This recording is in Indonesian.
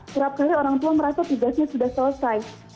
kerap kali orang tua merasa tugasnya sudah selesai